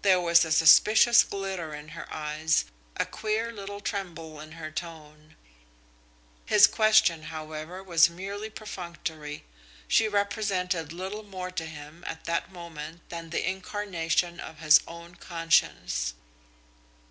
There was a suspicious glitter in her eyes, a queer little tremble in her tone. His question, however, was merely perfunctory. She represented little more to him, at that moment, than the incarnation of his own conscience.